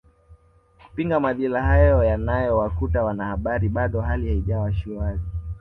kupinga madhila hayo yanayowakuta wanahabari bado hali haijawa shwari